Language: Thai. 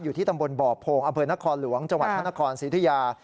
อยู่ที่ตำบลบ่อพงศ์อเผินนครหลวงจังหวัดธนครสิทธิยา